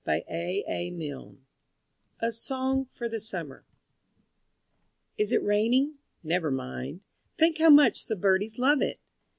III. SUMMER DAYS A SONG FOR THE SUMMER Is it raining? Never mind Think how much the birdies love it!